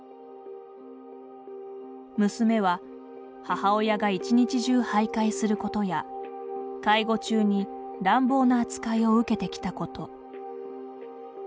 娘は、母親が１日中はいかいすることや介護中に乱暴な扱いを受けてきたこと。